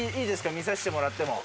見させてもらっても。